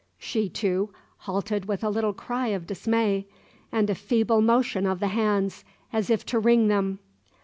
She, too, halted with a little cry of dismay, and a feeble motion of the hands, as if to wring them.